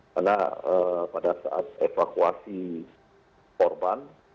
karena pada saat evakuasi korban